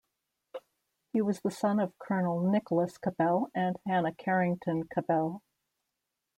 He was the son of Colonel Nicholas Cabell and Hannah Carrington Cabell.